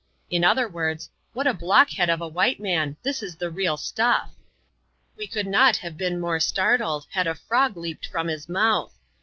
in other words. What a blockead of a white man ! this is the real stuff! We could not have been more startled, had a irog leaped from his mouth.